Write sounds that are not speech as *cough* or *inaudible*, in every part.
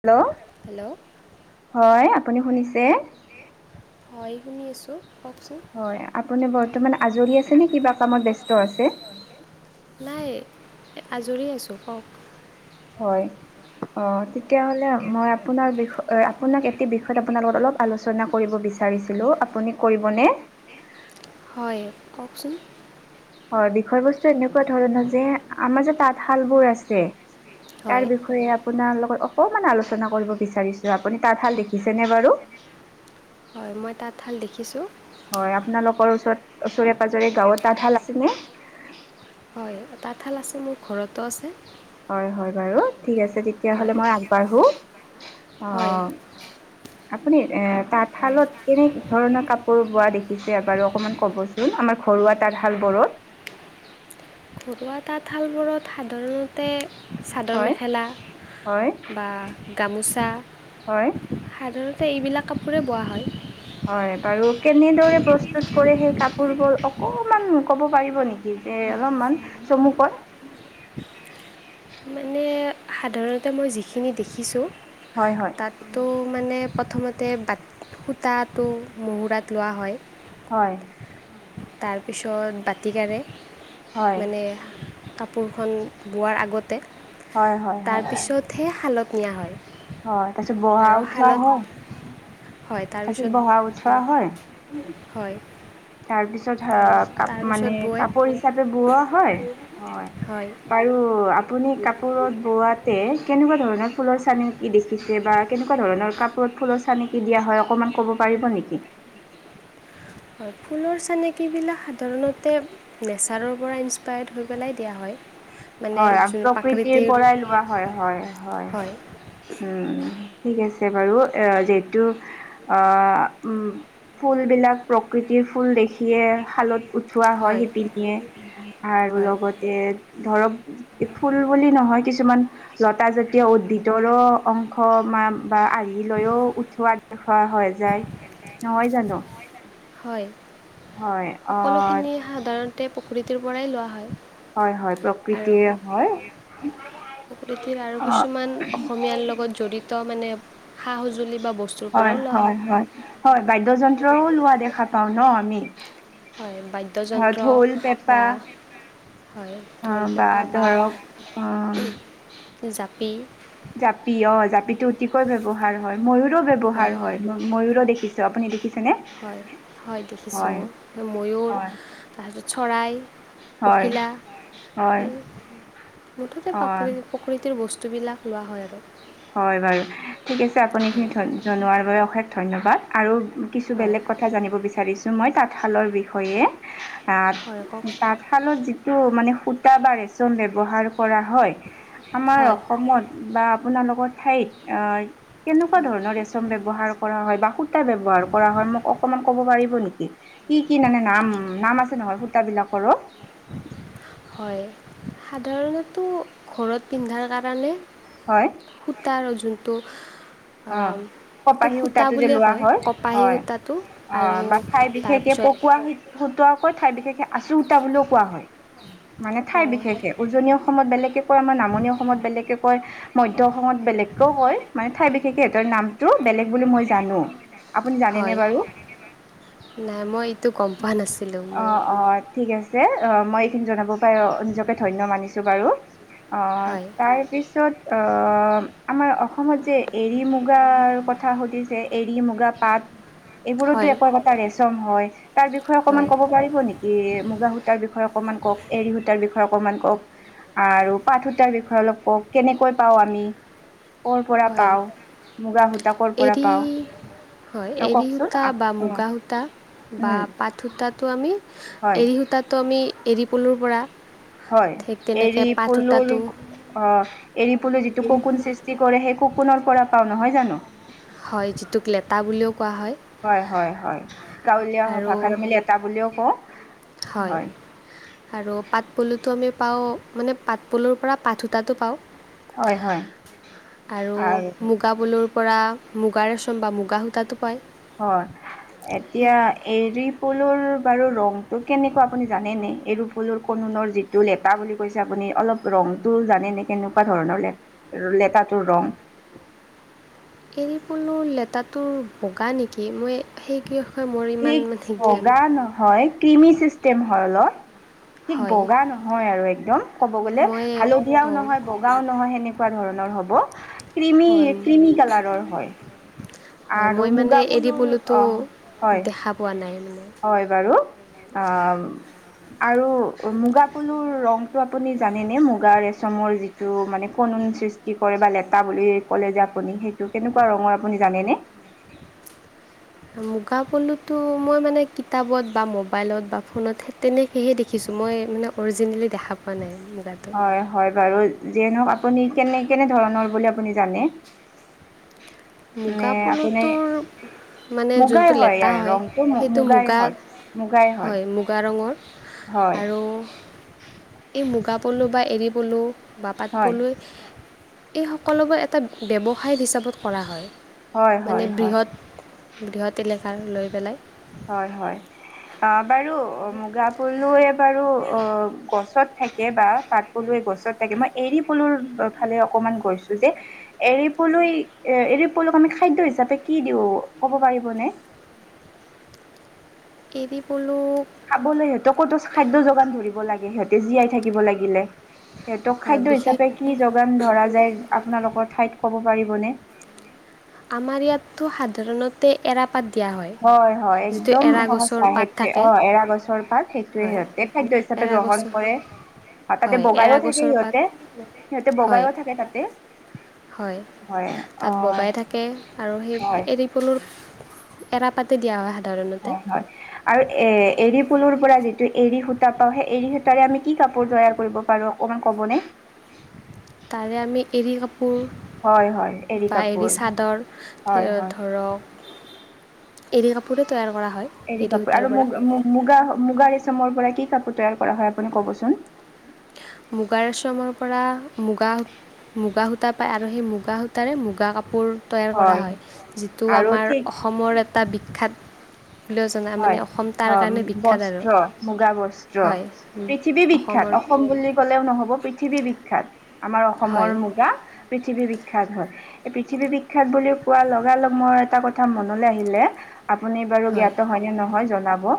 Hello hello হয় আপুনি শুনিছে হয় শুনি আছোঁ কওকচোন হয় আপু বৰ্ত আজ কিবা কত ব্যস্ত আছে নাই আজৰি আছোঁ কওক হয় অ তেতিয়াহলে মই আপোনাৰ বিষত আপোনাক এটি বিষয়ত আপোনাৰ লগত অলপ আলোচনা কৰিব বিচাৰো আপুনি কৰিব নে হয় কওকচোন হয় বিষয় বস্তু এনেকুৱা ধৰণৰ যে আমাৰ যে তাঁতশাল বোৰ আছে হয় তাৰ বিষয়ে আপোনাৰ লগত অ মানে আলোচনা কৰিব বিচাৰিছো আপুনি তাঁতশাল দেখিছেনে বাৰু হয় মই তাঁতশাল দেখিছোঁ হয় আপোনালোকৰ ওচৰত ওচৰে পাজৰে গাঁওত তাঁতাল আছে ন হয় তাঁতশাল আছে মোৰ ঘৰতো আছে হয় হয় বাৰু ঠিক আছে তেতিয়াহ'লে হয় মই আগবাঢ়ো অ হয় আপুনি এ তাঁতশালত কেনে ধৰণৰ কাপোৰ বোৱা দেখিছে বাৰু অকণমান ক'বচোন আমাৰ ঘৰুৱা তশাল বৰত থুৱা তাঁতশাল মোৰত সাধাৰণতে চাদৰ হয় মেখেলা হয় বা গামোচা হয় সাধাৰণতে এইবিলাক কাপোৰে বোৱা হয় হয় বাৰু কেনেদৰে প্ৰস্তুত কৰে সেই কাপোৰ বোৰ অকনমান কব পাৰিব নেকি যে অলপমান চমুকৈ মানে সাধাৰণতে মই যিখিনি দেখিছোঁ হয় হয় তাতো মানে প্ৰথমতে বাট সূতাটো মুহুৰাত লোৱা হয় হয় তাৰপিছত বাতিকাৰে হয় মানে কাপোৰখন বোৱাৰ আগতে হয় হয় হয় তাৰপিছতহে শালত নিয়া হয় হয় তাৰ পিছত বোৱা আৰু থোৱা শালত হয় হয় তাৰপিছত হয় তাৰ পিছত আৰু আহ কাপ তাৰপিছত মানে বয় কাপোৰ হিচাপে বোৱা হয় হয় বাৰু আপুনি কাপোৰত বোৱাত কেনেকুৱা ধৰণৰ ফুলৰ চান দেখিছে বা কেনেকুৱা ধৰণৰ কাপ ফুলৰ চানেকি দিয়া হয় অকণমান ক'ব পাৰিব নেকি হয় ফুলৰ চেনেকীবিলাক সাধাৰণতে নেচাৰৰ পৰা ইনস্পায়াৰ্ড হৈ পেলাই দিয়া হয় মানে হয় আৰু যোন প্ৰকৃতিৰ প্ৰাকৃতিৰ পৰাই লোৱা হয় হয় হয় উম ঠিক আছে বাৰু এ যিহেতু অ উ ফুল বিলাক প্ৰকৃতিৰ ফুল দেখিয়ে শালত উঠোৱা হয় সিপিনিয়ীয়ে আৰু হয় লগতে ধৰক ফুল বুলি নহয় কিছুমান লতা জাতীয় উদ্ভিদৰো অংশ বা আৰ্হি লৈও উঠোৱা দেখা হয় যায় নহয় জানো হয় হয় অ' সকলোখিনি সাধাৰণতে প্ৰকৃতি পৰাই লোৱা হয় হয় হয় প্ৰকৃতিৰে হয় প্ৰকৃতি আৰু অ' কিছুমান অসমীয়াৰ লগত জড়িত মানে সা সঁজুলি বা বস্তুৰ হয় পৰাও লোৱা হয় হয় হয় বাদ্যন্ত্ৰও লোৱা দেখা পাওঁ ন আমি হয় বাদ্যযন্ত্ৰ ঢোল, পেঁপা বা হয় অ ঢোল পেঁপা বা ধৰক অ জাপি জাপি অ জাপিটো অতিকৈ ব্যৱহাৰ হয় ময়ুৰো ব্যৱহাৰ হয় ময়ুৰো দেখি আপুনি দেখি হয় হয় দেখিছোঁ ময়ুৰ হয় তাৰপিছত চৰাই হয় পখিলা হয় এই মুঠতে প্ৰাক অ প্ৰকৃতিৰ বস্তু বস্তুবিলাক লোৱা হয় আৰু হয় বাৰু ঠিক আছে আপুনিখিনি জনোৱাৰ বাবে অশেষ ধন্যবাদ আৰু কিছু হয় বেলেগ কথা জানিব বিচাৰিছোঁ মই তাঁতশালৰ বিষয়ে ত হয় কওক তাঁতশালত যিটো মানে সুতা বা ৰেচম ব্যৱহাৰ কৰা হয় আমাৰ হয় অসমত বা আগৰ ঠাইত কেনেকুৱা ধৰণৰ ৰেচম ব্যৱহাৰ কৰা হয় বা সুতা ব্য্ৱহাৰ কৰা হয় মোক অকনমান ক'ব পাৰিব নেকি কি কি মানে নাম নাম আছে নহয় সূত বিলাকৰো হয় সাধাৰণটো ঘৰত পিন্ধাৰ কাৰণে হয় সূতাৰ যোনটো অ এইটো কপাহী সূতা সূতাটো যে বুলিয়ে লোৱা কয় হয় কপাহী হয় সূতাটো অ আৰু বা ঠাই বিশেষকে তাৰপিছত পকোৱা সুতা কয় ঠাই বিশেষে আছু সুতা বুলিও কোৱা হয় মানে ঠাই বিশেষে উজনি অসমত বেলেগে কয় আমাৰ নামনি অসমত বেলেগকে কয় মধ্যয় অসমত বেলেগকেও কয় মানে ঠাই বিশশে নামটো বেলেগ বুলি মই জানো আপুনি জানেনে হয় বাৰু নাই মই এইটো গম পোৱা নাছিলোঁ অ মই অ ঠিক আছে অ মই এইখিনি জনাব পাৰ নিজকে ধন্য মানিছো বাৰু হয় তাৰপিছত আমাৰ অসমত যে এৰী মু মুগাৰ কথা সুধিছে এৰী মুগা পাট এইবোৰতো হয় একো এটা ৰেচম হয় তাৰ বিষয়ে অকনমান হয় ক'ব পাৰিব নেকি মুগা সূতাৰ বিষয়ে অকনমান কওক এৰি সূতাৰ বিষয়ে অকণমান কওক আৰু পাঠ সুতাৰ বিষয়ে অলপ কওওঁ কেনেকৈ পাও আমি পৰা হয় পাওঁ মুগা সূতাকৰ পৰা এৰী পাওঁ হয় অ এৰী কওকচোন সূতা বা উম মুগা সূতা বা উম পাত সূতাত তো আমি হয় এ়ী সূতাতো আমি এৰী পলুৰ পৰা হয় ঠিক এৰী তেনেকৈ পাট পলুৰ সূতাটো অ এৰী পলু যিয়া টো ককোন সৃষ্টি কৰে সেই কুকোনৰ পৰা পাওঁ নহয় জানো হয় যিটোক লেটা বুলিও ক হয় হয় হয় গাঁৱলীয়া আৰু ভাষাত আমি ল এটা বুলিও কওঁ হয় আৰু পাত পুলুটো আমি পাওঁ মানে পাট পুলুৰ পৰা পাত সূতাটো পাওঁ হয় হয় আৰু মুগা বলুৰ পৰা মুগা ৰেচম বা মুগা সূতাো পায় হয় এতিয়া এৰি ফুলৰ বাৰু ৰংতটো কেনেকুৱা আপুনি জানে নে এইৰু ফুলৰ কনুনৰ যিটো লেটা বুলি কৈছে আপুনি অলপ ৰংতটো জানে নে কেনেকুৱা ধৰণৰ লেেতটোৰ ৰং এৰি বলো লেেতটোোৰ বগা নেকি মই সেই কি ঠিক বগা নহয় ক্ৰিমি চিষ্টেম হয় অলত ঠিক হয় বগা নহয় আৰু একদম ক'ব গ'লে মই হালধীয়াও অঁ নহয় বগাও নহয় সেনেকুৱা ধৰণৰ হয় ক কালাৰ হয় হয় আৰু মই মানে মুগা এৰি পলুৰ বলোতো অ হয় দেখা পোৱা নাই মানে হয় বাৰু অ আৰু মুগাাপুলুৰ ৰং টো আপুনি জানেনেে মুগা ৰেচমৰ যিটো মানে কনুন সৃষ্টি কৰে বা লেটা বুলি ক'লে যে আপুনি সেইটো কেনেকুৱা ৰঙৰ আপুনি জানেনে মুগা পলুতো মই মানে কিতাপত বা মবাইলত বা ফোনত তেনেকেহে দেখিছো মই মানে অৰিজিনেলি দেখা পোৱা নাই মুগাটো হয় হয় বাৰু যিয়নক আপুনি কেনে কেনে ধৰণৰ বুলি আপুনি জানে নে আপুনি মুগাাপুলুটোৰ মানে মুগাই যোনটো লেটা ইয়াৰ হয় ৰংটো সেইটো মুগাই মুগা হয়। মুগাই হয় মুগা ৰঙৰ হয় আৰু মুগ পলু বা এৰিবলৈোঁ বা হয় পাতবলৈ এই সকলোবোৰ এটা ব্যৱসায় হিচাপত কৰা হয় হয় হয় মানে হয় হয় বৃহৎ বৃহৎ এলেকাৰ লৈ পেলাই হয় হয় অ বাৰু মুগা ফুলো ব অ গছত থাকে বা পাত পলুৱে গছত থাকে মই এৰী পলুৰ ফালে অকমান গৈছো যে এৰিপলৈ এ এৰিপলৈক আমি খাদ্য হিচাপে কি দিওঁ ক'ব পাৰি এই পল খাবলৈ সিহঁতক ক'তো খাদ্য যোগান ধৰিব লাগে সিহঁতে জীয়াই থাকিব লাগিলে সিহঁতক হয় খাদ্য বিশেষ হিচাপে কি যোগান ধৰা যায় আপোনালোকৰ ঠাইত ক'ব পাৰিবনে আমাৰ ইয়াতো সাধাৰণতে এৰা পাত দিয়া হয় হয় যিটো একদম এৰা গছৰ সহচা পাত সেইটোয়ে থাকে অ এৰা গছৰ পাক সেইটোয়ে হয় সিহতে খাদ্য হিচাপে এৰা গ্ৰহণ গছৰ কৰে আৰু তাতে হয় এৰা বগাইও থাকে গছৰ পাত সিহঁতে সিহঁতে হয় বগাইও থাকে তাতে হয় হয় অ তাত বগাই থাকে আৰু সেই হয় এৰি পলুৰ এৰা পাতেতি দিয়া সাধাৰণতে হয় হয় আৰু এ এৰি ফুলৰ পৰা যিটো এৰী সূতা পাওঁ সেই এৰী সূতাৰে আমি কি কাপোৰ তৈয়াৰ কৰিব পাৰো অকনমান কবনে উ তাৰে আমি এৰী কাপোৰ হয় হয় এৰী বা এৰি কাপোৰ চাদৰ হয় হয় ধৰক এৰি কাপোৰো তৈয়াৰ কৰা। হয় এৰি এৰী কাপোৰ সূতাৰ আৰু পৰা মুগ মুগা মুগা ৰেচামৰ পৰা কি কাপোৰ তৈয়াৰ। য়াৰ কৰা হয় আপুনি ক'ৱচোন। মুগা ৰেচমৰ পৰা মুগা। মুগা সূতা পায় আৰু সেই মুগা সূতাৰে মুগা কাপোৰ। তৈয়াৰ কৰা হয় যিটো আৰু আমাৰ ঠিক অসমৰ এটা বিখ্যাত। বুলিও জনা মানে হয় অসম তাৰ অ কাৰণে বিখ্যাত আৰু বস্ত্ৰ মুগা বস্ত্ৰ হয় পৃথিৱী বিখ্যাত। অসমৰ অসম বুলি ক'লেও নহ'ব পৃথিৱী বিখ্যাত আমাৰ অসমৰ হয় মুগা প্ৰি। পৃথিৱী বিখ্যাত হয় এই পৃথিৱী বিখ্যাত বুলি কোৱা লগা লগ মোৰ এটা কথা মনলৈ আহিলে। আপুনি বাৰু জ্ঞাত। হয় নে নহয় জনাব অ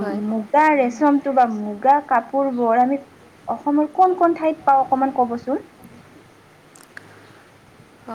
হয় মুগা ৰেচমটো বা মুগা কাপ। পূৰ্বৰ আমি অসমৰ কোন কোন ঠাইত পাওঁ অকমান ক'বচোন। *inaudible*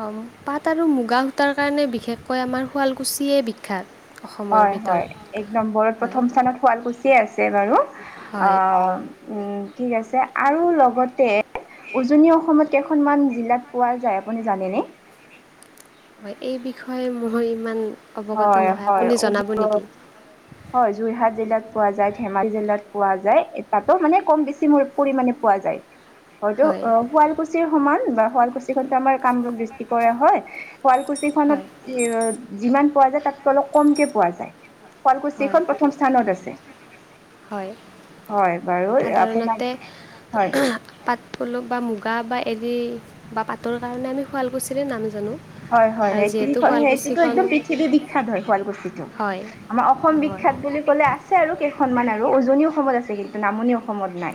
অ পাট আৰু মুগা সূতাৰ কাৰণে বিশেষকৈ আমাৰ শুৱালকুছিয়েই বিখ্যাত। অসমৰ হয় হয় ভিতৰত এক নম্বৰত হয় প্ৰথম স্থানত শুৱালকুছিয়ে আছে বাৰু অ। হয় উম ঠিক আছে আৰু লগতে। উজনি অসমত কেইখনমান জিলাত পোৱা যায় আপুনি জানেনে। হয় এই বিষয়ে মই ইমান অৱগত হয় নহয় হয় আপুনি জনাব নেকি। হয় যোৰহাট জিলাত পোৱা যায় ধেমাজি জিলাত পোৱা যায়। তাতো মানে কম বেছি পৰিণে পোৱা যায় হয়তো হয় অ শুৱালকুছিৰ সমান বা। শুৱালকুছি খন আমাৰ কামৰূপ ডিষ্ট্ৰিকৰে হয় শুৱালকুছি খনত হয় যিমান। পোৱা যায় তাতকে অলপ কমকে পোৱা যায় হয় শুৱালকুছিখন প্ৰথম স্থানত আছে। হয় হয় বাৰু আপোনাক সাধাৰণতে হয় পাত পলুক বা মু। গা বা এৰি বা পাতৰ কাৰণে আমি শুৱালকুছিৰে নাম জানো। হয় হয় আৰু যিহেতু সেইটো সেইটো শুৱালকুছিখন একদম পৃথিৱী বিখ্যাত হয় শুৱালকুচি। হয় আমাৰ অসম হয় বিখ্যাত বুলি ক'লে আছে আৰু কেইখনমান আৰু উজনি অসমত আছে। কিন্তু নামনি অসমত নাই।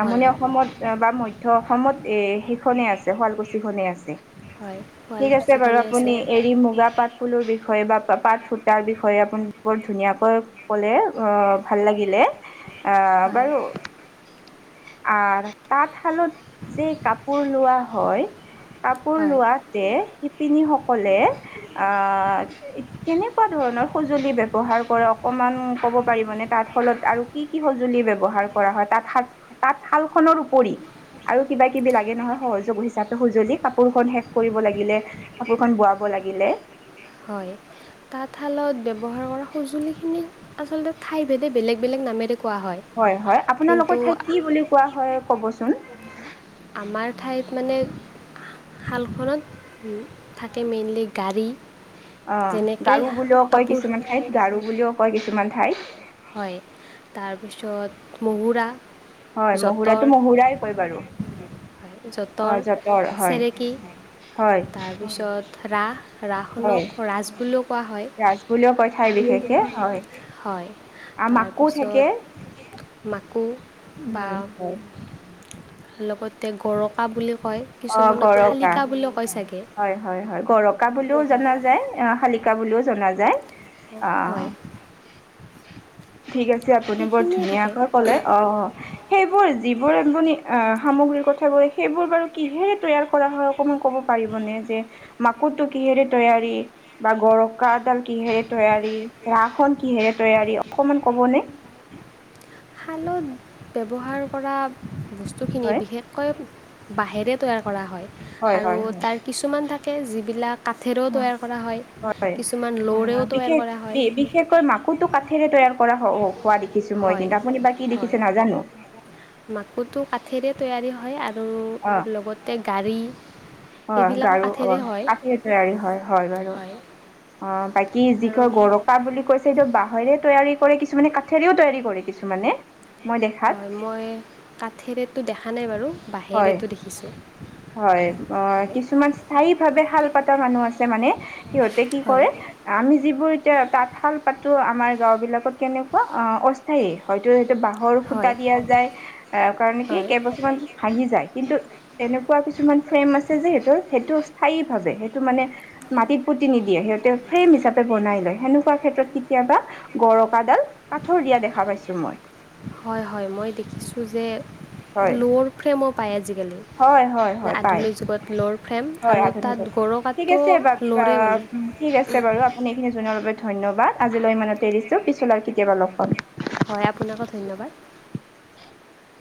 হয় নামনি হয় অসমত বা মধ্য অসমত এ সিখনেই আছে শুৱালকুছিখনেই আছে। হয় ঠিক আছে বাৰু শুৱালকুছিখনেই আছে আপুনি এৰি মুগা পাট পলুৰ বিষয়ে। বা পাত সুতাৰ বিষয়ে আপুনি বৰ ধুনীয়াকৈ ক'লে। অ ভাল লাগিলে আহ হয় বাৰু আহ তাত। শালত যে কাপোৰ লোৱা হয় কাপোৰ হয় লোৱাত। *unintelligible* শিপিনীসকলে আহ কেনেকুৱা ধৰণৰ সজুলি ব্যৱহাৰ। *unintelligible* অকমান ক'ব পাৰিব নে তাৰ ফলত আৰু কি। কি কি সঁজুলি ব্যৱহাৰ কৰা হয় তাত তাঁতশাল। খনৰ উপৰি আৰু কিবা কিবি লাগে নহয় সহযোগ হিচাপে সঁজুলি কাপোৰ খন শে। কৰিব লাগিলে কাপোৰখন বোৱাব লাগিলে। হয় তাঁতশালত ব্যৱহাৰ কৰা। সঁজুলি খিনি আচলতে ঠাই ভেদে বেলেগ বেলেগ নামেৰে। হয় হয় কিন্তু আপোনালোকৰ ঠাইত কি বুলি কোৱা হয় ক'বচোন। আমাৰ ঠাইত মানে শালখনত থাকে মেইনলি গাড়ী। অ যেনেকেই গাৰু বুলিও কয় কাপোৰ কিছুমান ঠাইত গাৰু বুলিও কয় কিছুমান ঠাইত। হয় তাৰপিছত মহুৰা। হয় মহুৰাটো মহুৰা কয় বাৰু। হয় অ যতৰ যঁতৰ হয় চেৰেকী হয় তাৰপিছত ৰাস। হয় ৰাসনক ৰাজ বুলিও কোৱা হয় ৰাজ বুলিও কয় ঠাই বিশেষে হয় হয়। আ মাকো থাকে তাৰপিছত মাকো বা। উম হয় লগতে গ'ৰকা বুলি কয় অ কিছুমানত গৰকা খালিকা বুলিও কয় চাগে। হয় হয় হয় গৰকা বুলিও জনা যায় শালিকা বুলিও জনা যায়। আহ হয়। ঠিক আছে আপুনি বৰ সেইখিনিয়ে থাকে ধুনীয়াকৈ ক'লে অ অ সেইবোৰ যিবোৰ আপুনি আহ সামগ্ৰীৰ কথা কৈ সেইবোৰ বাৰু কিহেৰে তৈয়াৰ কৰা হয় অকমান কব পাৰিবনেে যে মাকুৰটো কিহেৰে তৈয়াৰী বা গৰক ককডাল কিহেৰে তৈয়াৰী ৰাস খন কিহেৰে তৈয়াৰী অকনমান কবনেে তালত ব্যৱহাৰ কৰা ব্তুখিন হয়। বিশষৈ বাঁহে তৈ কৰা হয় হয়, আৰু হয়, হয়। তছু গকে যিবিলাক কাঠেৰেও তৈয়াৰ কৰা হয় কিছুমান লৰেও তৈয়াৰ কৰা হয় বিশেষ বিশেষকৈ মাকোতটো কাঠেৰে তৈয়াৰ কৰা হোৱা দেখিছো মই হয় কিন্তু আপুনি বা কি হয় দেখিছে নাজানো মাকুটো কাঠেৰে তৈয়াৰী হয় আৰু লগতে গাড়ী হয় এইবিলাকো গাৰু অ কাঠেৰে হয় কাঠি তৈয়াৰী হয় হয় বাৰু অ বাকী যি আৰু কয় গৰকা বুলি কৈছে এইটো বাহহেৰে তৈয়াৰী কৰে কিছুমানে কাঠোৰীও তৈয়ী কৰে কিছুমানে মই দেখাত হয় মই কাঠে ৰেটটো দেখা নাই বাৰু বাঁহে হয় ৰেটো দেখিছোঁ হয় অ হয় কিছুমান স্থায়ী ভাৱে শাল পাতা মানুহ আছে মানে সিহঁতে কি হয় কৰে আমি যিবোৰ এতিয়া তাঁতশাল পাতো আমাৰ গাঁও বিলাকত কেনেকুৱা অ অস্থায়ী হয়তো বাঁহৰ খুটা হয় দিয়া যায় আহ কাৰণে কি হয় কেইবছৰমান ভহি যায় কিন্তু এনেকুৱা কিছুমান ফ্ৰেম আছে যে সেইটো সেইটো স্থায়ীভাৱে সেইটো মানে মাটিত পুতি নিদিয়ে সিহঁতে ফ্ৰেম হিচাপে বনাই লয় সেনেকুৱা ক্ষেত্ৰত কেতিয়াবা গৰকাডাল কাঠৰ দিয়া দেখা পাইছো মই হয় হয় মই দেখিছো যে হয় লৰ ফ্ৰেমৰ পাই হয় হয় হয় পায় যুগত ল'ৰ ফ্ৰেম হয় আৰু তাত আধনিক ঠিক গৰকাটো আছে ব ল'ৰে বনায় ঠিক আছে বাৰু আপুনি এইখিনি জনোৱাৰ বাবে ধন্যবাদ আজিলৈ ইমানে তেৰিছো পিছলাৰ কেতিয়াবা লগ পাম হয় আপোনাকো ধন্যবাদ